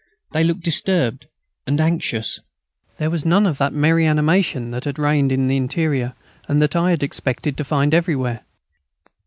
They looked disturbed and anxious. There was none of that merry animation that had reigned in the interior and that I had expected to find everywhere.